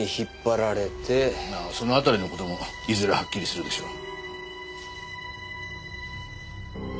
その辺りの事もいずれはっきりするでしょう。